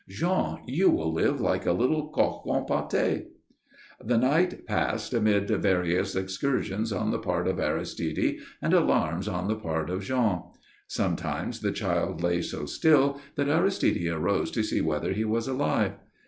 Jean, you will live like a little coq en pâté." The night passed amid various excursions on the part of Aristide and alarms on the part of Jean. Sometimes the child lay so still that Aristide arose to see whether he was alive.